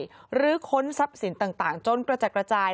แล้วก็งัดห้องเข้าไปลื้อค้นทรัพย์สินต่างจนกระจัดกระจาย